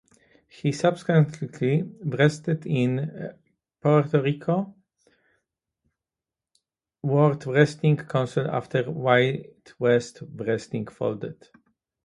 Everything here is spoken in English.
He subsequently wrestled in Puerto Rico's World Wrestling Council after Wild West Wrestling folded.